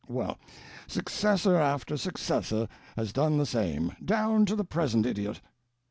Well, successor after successor has done the same, down to the present idiot.